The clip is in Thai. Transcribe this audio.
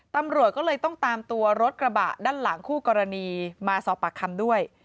ตำรวจก็เลยต้องตามตัวรถกระบะด้านหลังคู่กรณีมาสอบปากคำด้วย